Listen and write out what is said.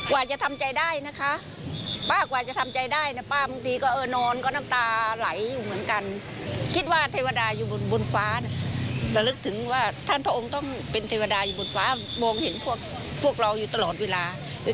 ว่าพวกเราอยู่ตลอดเวลา